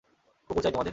কুকুর চাই তোমাদের?